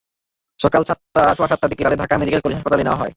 সকাল সোয়া সাতটার দিকে তাঁদের ঢাকা মেডিকেল কলেজ হাসপাতালে নেওয়া হয়।